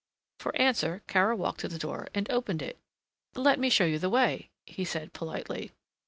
For answer Kara walked to the door and opened it. "Let me show you the way," he said politely.